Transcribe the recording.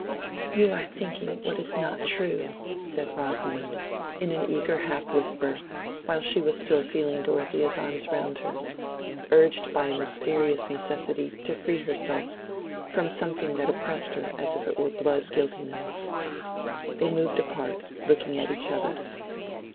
"You are thinking what is not true," said Rosamond, in an eager half whisper, while she was still feeling Dorothea's arms round her—urged by a mysterious necessity to free herself from something that oppressed her as if it were blood guiltiness. They moved apart, looking at each other.